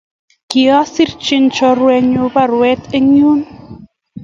Asrichini chorwennyu parwet inguni